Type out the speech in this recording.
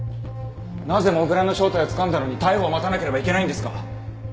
なぜ土竜の正体をつかんだのに逮捕を待たなければいけないんですか？